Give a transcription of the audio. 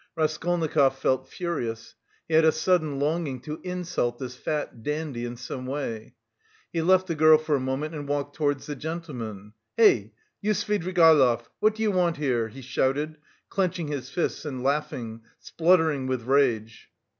Raskolnikov felt furious; he had a sudden longing to insult this fat dandy in some way. He left the girl for a moment and walked towards the gentleman. "Hey! You Svidrigaïlov! What do you want here?" he shouted, clenching his fists and laughing, spluttering with rage.